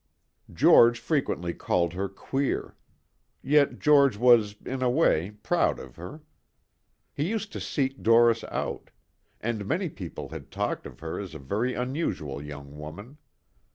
George frequently called her queer. Yet George was, in a way, proud of her. He used to seek Doris out. And many people had talked of her as a very unusual young woman.